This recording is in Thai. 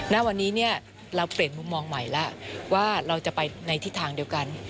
ณวันนี้เราเปลี่ยนมุมมองใหม่แล้วว่าเราจะไปในทิศทางเดียวกัน